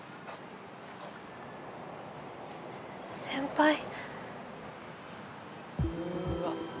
先輩。